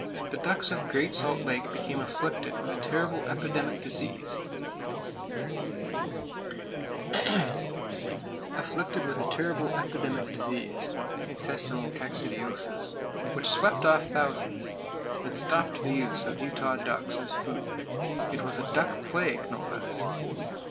The ducks of Great Salt Lake became afflicted with a terrible epidemic disease (intestinal coccidiosis) which swept off thousands, and stopped the use of Utah ducks as food! It was a "duck plague," no less.